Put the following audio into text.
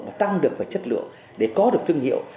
mà tăng được về chất lượng để có được thương hiệu